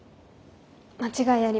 間違いありません。